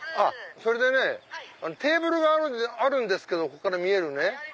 それでテーブルがあるんですけどここから見える。